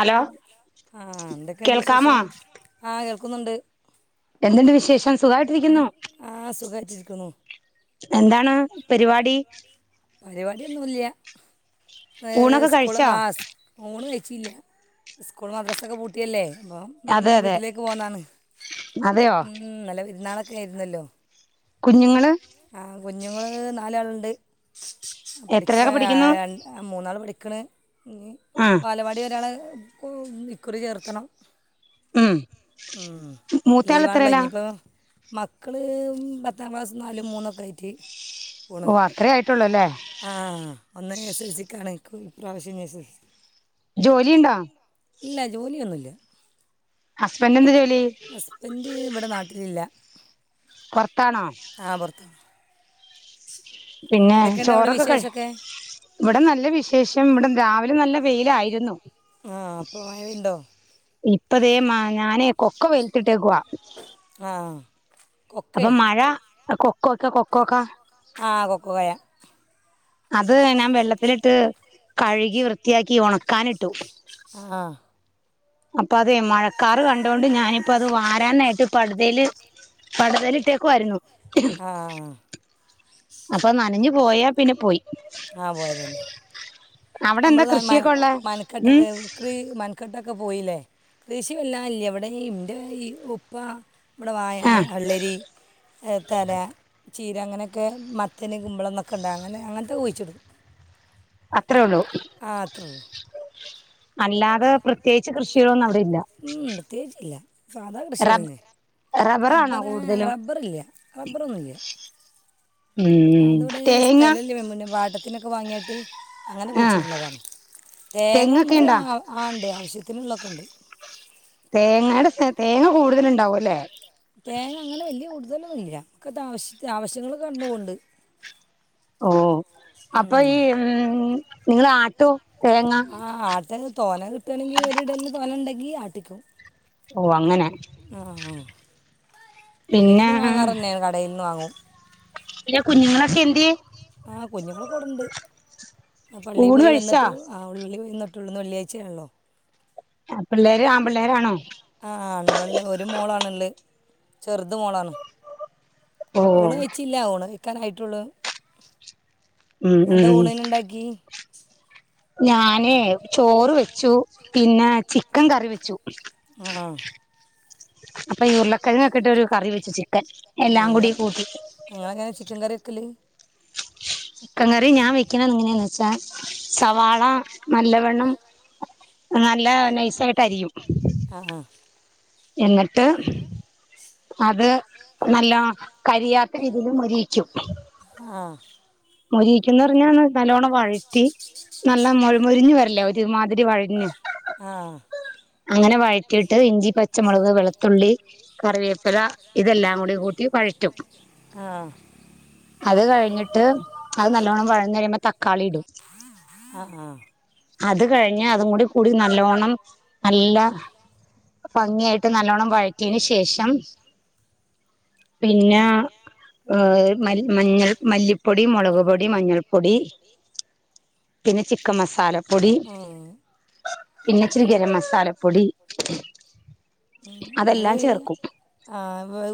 Hello ആഹ് എന്തൊക്കെയുണ്ട് കേൾക്കാമോ വിശേഷം ആഹ് കേ ക്കുന്നുണ്ട് എന്തുണ്ട് വിശേ ഷം സുഖമായിട്ടിരിക്കുന്നു ആ സുഖമായിട്ടിരിക്കുന്നു എന്താണ് പരിപാടി പരിപാടിയൊന്നൂല്ല്യ ഊണൊക്കെ കഴിച്ചോ [unintelligible] ഇല്ല സ്കൂൾ മദ്രസൊക്കെ പൂട്ടിയല്ലേ അപ്പം അതെ അതെ വീട്ടിലേക്ക് പോകുന്നാണ് അതെയോ പെരുന്നാളൊക്കെര്ന്നല്ലോ. കുഞ്ഞുങ്ങള് ആ കുഞ്ഞുങ്ങള് നാലാള്ണ്ട്. ആ എത്രയിലൊക്കെ പഠിക്കാ. പഠിക്കുന്നു മൂന്നാള് പഠിക്കണ് ആഹ് വാലവാടി ഒരാള് ഊം ഇക്കുറി ചേർത്തണം. ഉം ഉം. മൂത്തയാൾ ലീവാണല്ലോ എത്രയിലാ ഇനിയിപ്പോ മക്കള് പത്താം ക്ലാസ് നാലും മൂന്നൊക്കെ ആയിട്ട് പോണ് ഓ അത്രയേ ആയിട്ടുള്ളൂ അല്ലേ. ഒന്നര എസ് എൽ സി ക്കാണ്. ഇക്കും ഇപ്രാവശ്യം ഞ് എസ് എൽ സി ജോലിയുണ്ടോ? ഇല്ല ജോലിയൊന്നുമില്ല ഹസ്ബെൻഡന്ത് ഹസ്ബന്റ് ഇവിടെ നാ ട്ടിലില്ല. പൊർ ആ പൊർത്ത് പിന്നെ അവിടെ ചോറൊക്കെ കഴി വിശേഷമൊക്കെ ഇവിടെ നല്ല വിശേഷം വടെ രാവിലെ നല്ല വെയിലായിരുന്നു ആഹ് ഇപ്പ ദേ മ ഞാനേ കൊക്ക ആഹ് അപ്പം മഴ കൊക്കോക്ക കൊക്കോക്ക ആ കൊക്കോ കായ അത് ഞാൻ വെള്ള ത്തിലിട്ട് കഴുകി വൃത്തിയാക്കി ഉണക്കാനിട്ടു ആഹ് അപ്പോ അതേ മഴക്കാറ് കണ്ടോണ്ട് ഞാനിപ്പം അത് വാരാനായിട്ട് പടതേല് പട്തല് ഇട്ടേക്കുവായിരുന്നു ആഹ് അപ്പോ നനഞ്ഞ് പോയാ പിന്നെ പോയ് ആ പോയത് തന്നെ- അവിടെ എന്താ നമ്മള് ആ മൻ കൃഷിയൊക്കെ ഉള്ളെ ഉം മനക്കട്ടിട്ട് കൃ മനക്കെട്ട്- ക്ക് പോയില്ലേ കൃഷി പിന്ന വല്ല്യ ഇവിടെ എൻ്റെഈ ഉപ്പാ- ഇവിടെ [unintelligible] വായ, ആഹ് വെള്ളരി എത്താര്യ ചീര അങ്ങനെയൊക്കെ മത്തൻ, കുമ്പളന്നൊക്കെ ഉണ്ടാകും അങ്ങനെത്തെ കുഴിച്ചിടും അത്രേ ഉള്ളൂ ആ അത്രയേയുള്ളൂ അല്ലാതെ പ്രത്യേകിച്ച് കൃഷി ഒന്നും ഉം പ്രത്യേകിച്ച് ഇല്ല സാധാ കൃഷി റബ് തന്നേ റബ്ബറാണോ റബ്ബറേ കൂടുതലും റബ്ബറില്ലേ റബ്ബറൊന്നുമില്ലേ ഉം അതിവിടെ തേങ്ങ സ്ഥലമില്ല [unintelligible] [unintelligible] വാങ്ങിയിട്ട് അങ്ങനെ ആഹ് കുഴിച്ചിട്ണണ് തേങ്ങ തെങ്ങൊക്കെ നമുക്ക്ആ ഇണ്ടാ ഇണ്ട് ആവശ്യത്തിന് ഉള്ളത് ക്കൊ ണ്ട് തേങ്ങയുടെ തേങ്ങ കൂടുതൽ ഉണ്ടാവു ല്ലേ തേങ്ങ അങ്ങനെ വലിയ കൂടുതൽ കൂടുതലൊന്നും ഇല്ല ഒക്കെ ആവശ്യങ്ങൾ കടന്നു പോകുന്നുണ്ട് ഉം അപ്പ ഈ ഉം നിങ്ങൾ ആട്ടോ തേങ്ങ ആ ആട്ടൽ തോനെ കിട്ടുകയാണെങ്കിൽ ഒരിടൽന് തോനെ ഇണ്ടെങ്കിൽ ആട്ടിക്കും ഓ അങ്ങനെ ആ ഇല്ലെങ്കിൽ പിന്നെ വാങ്ങാർ ന്നെയാണ് കടയിൽ നിന്നു വാങ്ങും പിന്നെ കുഞ്ഞുങ്ങളൊക്കെ എന്തിയെ ആ കുഞ്ഞുങ്ങളൊക്കെ ഇവിടെയുണ്ട് പള്ളിയിൽ ഊണ് പോയി കഴിച്ചാ വന്നിട്ട് ഉള്ളി ന്നിട്ടൊള്ളോ ഇന്ന് വെള്ളിയാഴ്ച ആണല്ലോ ആ പിള്ളേര് ആൺപിള്ളേര് ആണോ ആ ഒരു മോളാണ് ഉള്ളത് ചെറുത് മോളാണ് ഓ ഊണ് കഴിച്ചില്ല ഊണ് കഴിക്കാൻ ആയി ഉം എന്താ ഉം ഊണിന് ഉണ്ടാക്കി [inaudible] ഞാന് ചോറ് വെച്ചു പിന്നെ ചിക്കൻ കറി വച്ചു ആ അപ്പം ഈ ഉരുളക്കിഴങ്ങ് ഒക്കെ ഇട്ട ഒരു കറി വെച്ചു [unintelligible] എല്ലാം കൂടി ഇങ്ങള് കൂട്ടി എങ്ങനെ ചിക്കൻ കറി വക്കല് ചിക്കൻ കറി ഞാൻ വെക്ക് വെക്കൽ എങ്ങനെ എന്നുവച്ചാൽ സവാള നല്ലവണം നല്ല നൈസായിട്ട് അരിയും ആ ആ എന്നിട്ട് അത് നല്ലോ കരിയാത്ത രീതിയിൽ മുരിയിച്ചു ആ മുരിയിക്കുന്ന് പറഞ്ഞാൽ നല്ലോണം വഴറ്റി നല്ല മോരു മൊരിഞ്ഞ് ഒരുമാതിരി വഴറ്റി മ് ആ അങ്ങനെ വഴറ്റി റ്റിട്ട് ഇഞ്ചി പച്ചമുളക് വെളുത്തുള്ളി കറിവേപ്പില ഇതെല്ലാം കൂടി കൂട്ടി വഴറ്റും. ആ അത് കഴി എന്നിട്ട് അത് നല്ലവണ്ണം വഴന്ന് കഴിയുമ്പോ തക്കാളി ഇടും ആഹ് ആ അത് കഴിഞ്ഞാൽ അതും കൂടി കൂടി നല്ലോണ്ണം നല്ല ഭംഗിയായിട്ട് നല്ലോണ്ണം വഴറ്റ് റ്റിയേനു ശേഷം പിന്നെ ഏ മഞ്ഞൾ മല്ലിപ്പൊ പൊടി മുളക്പൊടി മഞ്ഞൾപ്പൊടി പിന്നെ ചിക്കൻ മസാലപ്പൊടി ആ പിന്നെ ഇച്ചിരി ഗരംമസാലപ്പൊടി നിങ്ങള്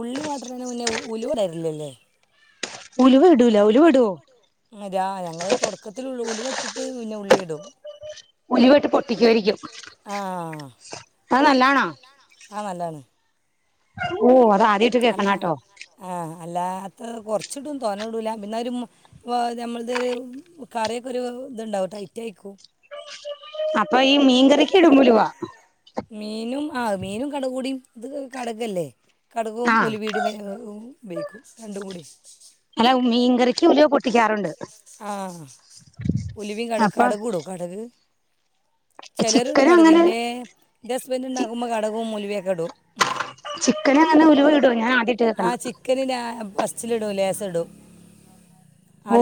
ഉള്ളി വാട്ടണേനു മുന്നേ ഉലുവയിടാറിലല്ലേ? ഉലുവ ഇടൂല ഉലുവ ഇടുവോ? രാ ഞങ്ങള് തുടക്കത്തിൽ ഉലുവ ഉലുവയിട്ടിട്ട് പിന്നെ ഉള്ളി ഇടും ഇടും ഉലുവയിട്ട് പൊട്ടിക്കുവാരിക്കും അത് നല്ലാണോ? ആ നല്ലാണ് ഓ അ ആദ്യായിട്ട് കേക്കണാട്ടോ അല്ല അത് കുറച്ചിടും തോനെ ഇടൂല്ല പിന്നെ ഒരു നമ്മള്ത് കറിക്ക് ഒരു ഇതുണ്ടാവും ടൈറ്റ് ആയിക്കും. അപ്പൊ ഈ മീൻകറിക്ക് ഇടും ഉലുവാ ആഹ് മീനും കടുകും കൂടി ഇത് കടകല്ലേ? ആ കടുകും ആഹ് ഉലുവീടും ഉപയോഗിക്കും രണ്ടും കൂടി അല്ല മീൻകറിക്ക് ഉലുവ പൊട്ടിക്കാറുണ്ട്. ആ ഉലുവയും കടു അപ്പൊ കടകൂടും കടക് ചിലരിടും ചിക്കനും അങ്ങനെ കടുകിൻ്റേ ദസ് ബ ചി നകും [unintelligible] അടോ ഉലുവയൊക്കെയിടും ഉം അതിന് ഉലുവയിടുവോ? ഞാൻ [unintelligible] ആഹ് ചിക്കനിടും ഫസ്റ്റിലിടൂല്ലേ? ഇടും ഓ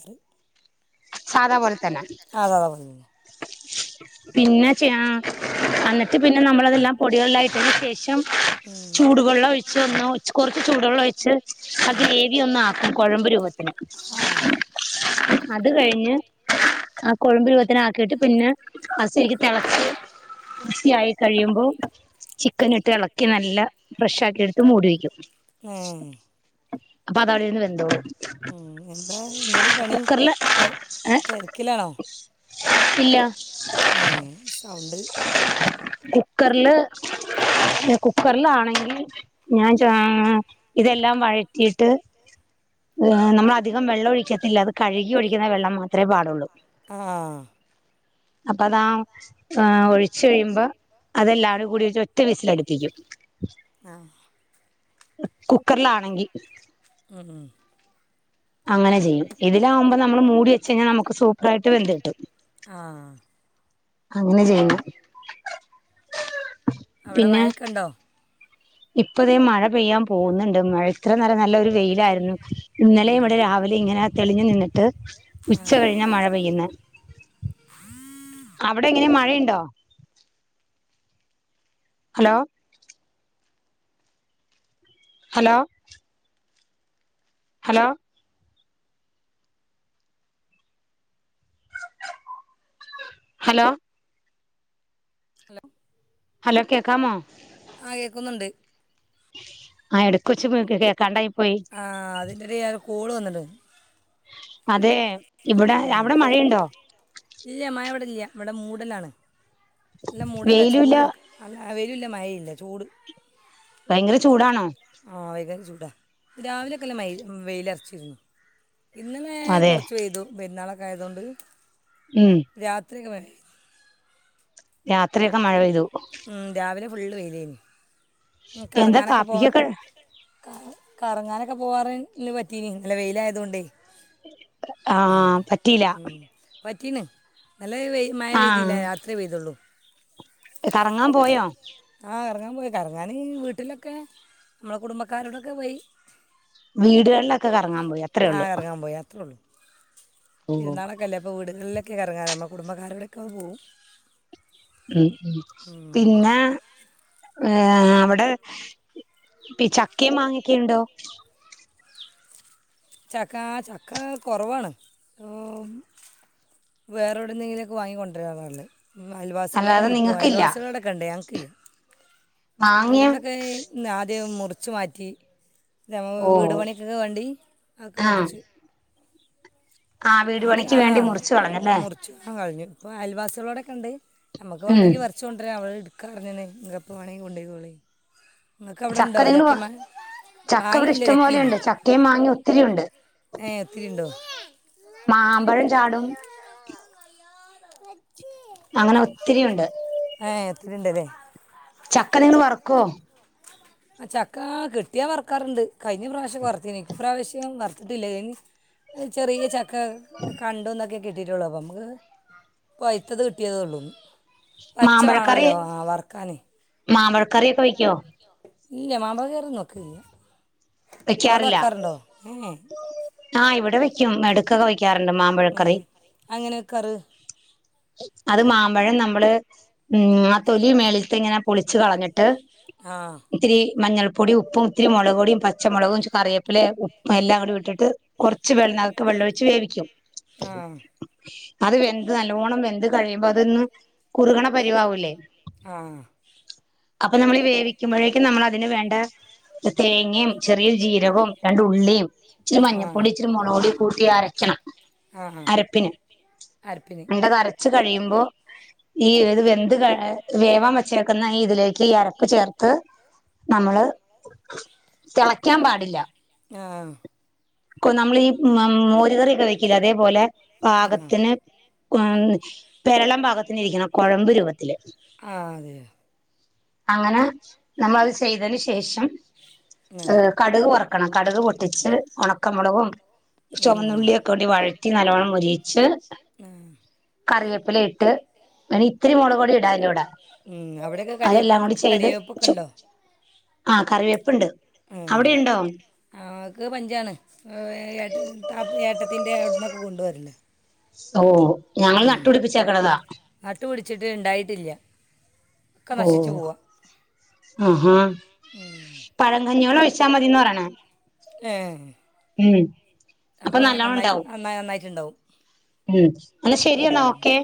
[unintelligible] [unintelligible] ആ സാധാ പോലെ തന്നെ [unintelligible] പിന്നെ അന്നിട്ട് പിന്നെ നമ്മളതെല്ലാം പൊടികളിലായിട്ടതിന് ശേഷം ഉം ച്ച് കുറച്ച് ചൂടുെള്ള ഒഴിച്ച് അത് ഗ്രേവി ഒന്ന ആക്കും കുഴമ്പരുംബ ആ അത് കഴിഞ്ഞ് ആ കൊഴമ്പ് രൂപത്തന് ആക്കിയിട്ട് പിന്നെ അസക്ക് തെളച്ച് മസി ആായി കഴിയുമ്പോ ചിക്കൻ ഇട്ട് ഇളക്കി നല്ല ഫ്രഷ് ആക്കി എടുത്ത് മൂടി വെക്കും ഏ അപ്പം അത് അവിടെ ഇരുന്ന് വേന്തേളും ഉം എന്താ എന്തര് പണി എ ഏ തിരക്കിലാണോ ഇല്ല ഏ സൗണ്ട് കുക്കറില് കുക്കറിലാണെങ്കിൽ ഞാൻ ജാ ഇതെല്ലാം വഴറ്റിയിട്ട് നമ്മള അധികം വെള്ളം ഒഴിക്കത്തില്ല അത് കഴുകി ഒഴിക്ക ആവിശ മായ വെള്ളം മാത്രമേ പാടുള്ളൂ ആഹ അപ്പൊതാ ആ ഒ ഉച്ച കഴിയുമ്പോ അതെല്ലാം ഒക്കെ കൂടിറ്റ് ഒറ്റ വിസിലടുപ്പിക്കും ആഹ കുക്കറിലാണെങ്കി മം ഉ അങ്ങനെ ചെയ്യും ഇതിലാകുമ്പോ നമ്മൾ മൂടി വച്ച കഴിഞ്ഞാൽ നമുക്ക് സൂപ്പർായിട്ട് വെന്ത് കട്ടും ആഹ അങ്ങനെ ചെയ്യും അവിടെ മയക്കെണ്ടോ ഇപ്പതേ മഴ പെയ്യാൻ പോകുന്നുണ്ട് മഴ ഇത്ര നേരം നല്ലൊ ഒരു വെയിലായിരുന്നു ഇന്നലെ ഇവിടെ രാവിലെ ഇങ്ങനെ തെളിഞ്ഞു നിന്നിട്ട് ആ ഉച്ച കഴിഞ്ഞ മഴ പെയ്യുന്നു അവിടെ എങ്ങനെ മഴയുണ്ടോ hello hello hello hello hello hello കേക്കാമോ? ആഹ് കേക്കുന്നുണ്ട് ആഹ് എടക്ക് വെച്ച് കേൾക്കണ്ടായി ആഹ് അത് കോള് വന്നിട്- അതെ ഇവിടെ അവിടെ മഴയുണ്ടോ ഇല്ല മഴ ഇവിടെ ഇല്ല ഇവിടെ മൂടലാണ് നല്ല മൂടലാ വെയിലുല്ല ചൂട് ഇട് അല്ല ആ വെയിലും ഇല്ല മയയില്ല ചൂട്- ഭയങ്കര ചൂടാണോ ആ [unintelligible] ടാ രാവിലെ ഒക്കല്ല മയ് വെയിലൊറച്ചിരുന്നു ഇന്നനെ അതെ കുറച്ച് പെയ്തു പെരുന്നാള് ആയതുകൊണ്ട് ഉം ത്രിക്കെ മയാര്ന്ന് രാത്രിയൊക്കെ മഴപെയ്തു ഉം രാവിലെ ഫുള്ള് വെയിലേനിം എന്താ കറങ്ങാനൊക്കെ പോണ് കാപ്പിക്കൊക്കെ - കറങ്ങാനൊക്കെ പോവാറ് ഇന്ന് പറ്റീനിം നല്ല വെയില് ആയതോണ്ടേയ് ആ പറ്റീലാ- ഉം പറ്റീണ് നല്ല വെയ് മഴ പെയ്തില്ല രാത്രിയെ പെയ്തൊള്ളൂ കറങ്ങാം പോയോ? [unintelligible] ഞാന് വീട്ടിലൊക്കെ നമ്മളെ കുടുംബക്കാരോടൊക്കെ പോയി വീടുകളിലൊക്കെ കറങ്ങാം പോയി ആ അത്രേഉള്ളു- കറങ്ങാൻ പോയി അത്രേ ഉള്ളൂ പെരുന്നാളൊക്കെ അല്ലേ അപ്പൊ വീടുകളിലെ ഒക്കെ കറങ്ങാനമ്മ കുടുംബക്കാരടെക്കെ പോവും- ഉം ഉം. പിന്ന- ഏ അവിടെ ഈ ചക്കയും മാങ്ങക്കൊ ഉണ്ടോ? ചക്ക ആ ചക്ക കൊറവാണ് വേറെ എവിടെന്നെങ്കിലൊക്കെ വാങ്ങിക്കൊണ്ടരാറാള്ളെ അയൽവാസികളൊന്ന് അല്ലാതെ വിട്ടു നിങ്ങക്കില്ല അയൽവാസികൾടെക്കണ്ടേ- ക്കില്ല മാങ്ങയോ ഞങ്ങൾതെക്കെയ് ലെ ആദ്യേ മുർ ച്ചു മാറ്റി ലെ വ് വീട് ഓഹ് പണിക്ക് വേണ്ടി ആക്ക ആഹ് മുർച്ച് ആഹ് വീട് ആദ്യ പണിക്ക് ആ വേണ്ടി മുറിച്ച് കളഞ്ഞല്ലേ മുർച്ച് അ കൾഞ്ഞ് ഇപ്പ അയൽവാസിളൊടെക്കെ ഇണ്ട് നമ്മക്ക് ഉം വാണങ്കി പർച്ച് കൊണ്ടര അവള് ഇട് ക്കാർഞ്ഞ്ണ് ഇങ്ങക്ക് എപ്പ വേണെങ്കി കൊണ്ടോയ്ക്കോളി ചക്ക നിങ്ങള് വാ ചക്ക ഇവ്ടെ മാങ്ങയില്ല ഇഷ്ടം പോലെ ചക്കിയില്ല ഇണ്ട് ചക്കേം മാങ്ങേ ഒത്തിരി ഉണ്ട് ഏ ഒത്തിരി ഇണ്ടൊ മാമ്പഴം ചാടും അങ്ങനെ ഒത്തിരിയുണ്ട് ഏ ഒത്തിരിണ്ടല്ലെ ചക്ക നിങ്ങള് വർക്കൊ അ ചക്ക കിട്ടിയ വർക്കാർണ്ട് കഴിഞ്ഞ പ്രാവശ്യം വർത്തിനി ഇപ്രാവശ്യം വർത്ത്ട്ടില്ല അയിന് ഒര് ചെറിയ ചക്ക കണ്ടുന്നൊക്കെ കിട്ടിയിട്ടൊള്ളു അപ്പ മ്മക്ക് പഴ്ത്തത് കിട്ടിയതൊള്ളൂ പച്ച വാണല്ലൊ ആ വർക്കാന് മാമ്പഴക്കറി ഒക്കെ വെക്കോ ഇല്ല മാമ്പക്കറിയൊന്നു വെക്കെല്ല ഇങ്ങളോടെ വെക്കാർണ്ടോ ഏ ആ ഇവിടെ വെ ക്കും എടക്കൊക്കെ വെക്കാറ്ണ്ട് ഏ മാമ്പഴക്കറി അങ്ങനെ വെക്കാറ് അത് മാമ്പഴം നമ്മള് മ് ആ തൊലി മേലെത്തെങ്ങനെ പൊളിച്ച് കളഞ്ഞിട്ട് ആഹ് ഇത്തിരി മഞ്ഞൾപ്പൊടി ഉപ്പും ഇത്തിരി മൊളക് പ്പൊടിം പച്ചമൊളക് കറിവേപ്പില ഉപ്പ് എല്ലാം ഇട്ടിട്ട് കൊറച്ച് വെള് നകത്തു വെള്ളൊഴിച്ച് വേവിക്കും ആഹ് അത് വെന്ത് ന ല്ലോണം വെന്ത് കഴിയുമ്പം അതൊന്ന് കുർക്ണ പരിവാവുലേ ആ അപ്പ നമ്മള് ഈ വേവിക്കുമ്പോയെക്ക് നമ്മള് അതിന് വേണ്ട തേങ്ങെ ചെറിയ ജീരകോം രണ്ട് ഉള്ളിയിം ഇച്ചിരി മഞ്ഞപ്പൊടി ഇച്ചിരി മൊളക് പ്പൊടിം കൂട്ടി അരക്കെണം അ ആ അരപ്പ് ന്താ കറി കുറച്ച് കഴിയുമ്പോൾ ഈ വെന്തു വേവാൻ വെച്ചേക്കുന്ന ഇതിലേ ക്ക് ഈ അരപ്പ് ചേർത്ത് നമ്മള് കെളക്കാൻ പാടില്ല ആഹ് നമ്മള് ഈ മോരു കറിയെക്കെ വെക്കില്ലേ അതേ പോലെ ആ പാകത്തിന് ഉം തെരളൻ പാകത്തിന് ഇരിക്കണം കൊഴമ്പ് രൂപത്തില് ആ അതേയോ അങ്ങനെ നമ്മള് അത് ചെയ്തതിന് ശേഷം ആ ഉം, കടുക് വറുക്കണം കറുക് പൊ ട്ടിച്ച് ഒണക്ക മുളകും ആ ചൊമന്നുള്ളി ഒക്കെ ആ ട്ടി വഴറ്റി നല്ലോണം മൊരിയിച്ച് കറിവേപ്പില ഇട്ട് വേണെങ്കിൽ ഇത്തിരി മുളക് പൊടി ഇടാം അതിൻ്റെ കൂടെ ഉം അവിടെയെക്കെ കറിവേപ്പിൻ്റെ കറി വേപ്പ് ഒക്കെ ഉണ്ടോ ആ കറിവേപ്പ് ണ്ട് ഉം നമുക്ക് പഞ്ചാണ് ഏട്ടത്തിൻ്റെ അവിടുന്നൊക്കെ കൊണ്ട് വര്ല സോ ഞങ്ങള് നട്ടു പിടിപ്പിച്ചേക്കുന്നതാ ട്ടില്ല ഓ ആഹാ ഉം. [unintelligible] കഞ്ഞി വെള്ളം ഒഴിച്ചാ മതിന്നാ പറയ്ണേ ഏഹ് അപ്പൊ അപ്പോ നല്ലോണം നന്നായി ഉണ്ടാവും നന്നാ നന്നായിട്ട്ണ്ടാകും- [inaudible] ഉം എന്നാ ശരി എന്നാ ഓക്കെ-